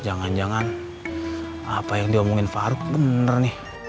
jangan jangan apa yang diomongin farouk benar nih